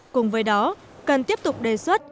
cùng với đó cần tiếp tục đề xuất